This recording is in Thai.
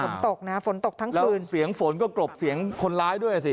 ฝนตกนะฝนตกทั้งคืนเสียงฝนก็กลบเสียงคนร้ายด้วยอ่ะสิ